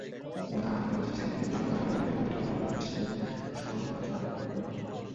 প্রাথমিকভাবে ধারণা করা হচ্ছে, সিলেটকে চোরাচালানের রুট হিসেবে ব্যবহার করছে স্বর্ণ চোরাকারবারিরা।